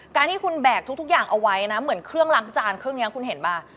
การที่คุณแบกทุกอย่างเอาไว้นะเหมือนเครื่องล้างจานเครื่องนี้คุณเห็นป่ะ